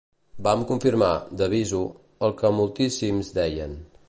Van confirmar 'de visu' el que moltíssims deien.